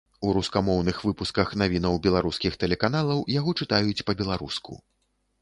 У рускамоўных выпусках навінаў беларускіх тэлеканалаў яго чытаюць па-беларуску.